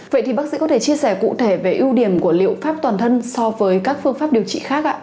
vậy thì bác sĩ có thể chia sẻ cụ thể về ưu điểm của liệu pháp toàn thân so với các phương pháp điều trị khác ạ